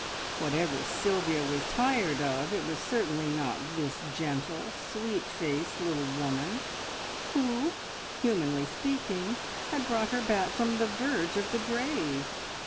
Whatever Sylvia was tired of, it was certainly not this gentle, sweet faced little woman who humanly speaking had brought her back from the verge of the grave.